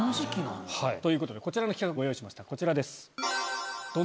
ということでこちらの企画ご用意しましたこちらです。